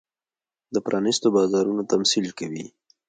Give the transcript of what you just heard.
د پرانېستو بازارونو تمثیل کوي.